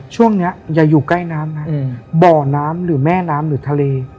ช่วงนี้อย่าอยู่ใกล้น้ำนะบ่อน้ำหรือแม่น้ำหรือทะเล